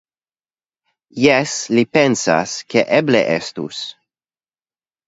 Jes, li pensas, ke eble estus.